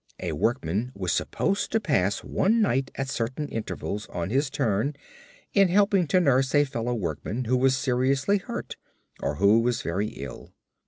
A workman was supposed to pass one night at certain intervals on his turn, in helping to nurse a fellow workman who was seriously hurt or who was very ill.